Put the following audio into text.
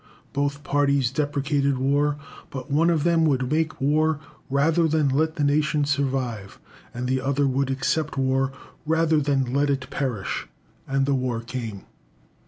Both parties deprecated war, but one of them would make war rather than let the nation survive, and the other would accept war rather than let it perish and the war came.